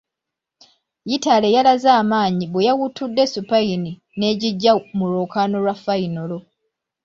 Yitale yalaze amaanyi bwe yawuttudde Supayini n’egiggya mu lwokaano lwa fayinolo.